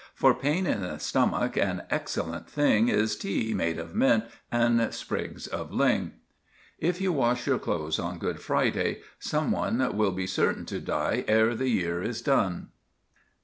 "'For pain in the stomach an excellent thing Is tea made of mint and sprigs of ling.' "'If you wash your clothes on Good Friday, someone Will be certain to die ere the year is done.